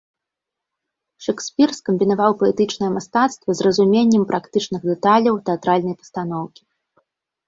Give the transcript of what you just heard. Шэкспір скамбінаваў паэтычнае мастацтва з разуменнем практычных дэталяў тэатральнай пастаноўкі.